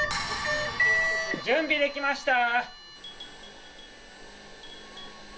準備できました。